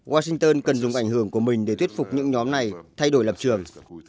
washington cần dùng ảnh hưởng của mình để thuyết phục những nhóm này thay đổi lập trường